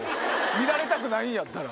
見られたくないんやったら。